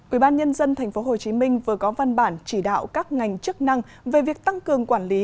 ủy ban nhân dân tp hcm vừa có văn bản chỉ đạo các ngành chức năng về việc tăng cường quản lý